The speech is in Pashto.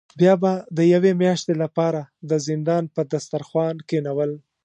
بیا به د یوې میاشتې له پاره د زندان په دسترخوان کینول.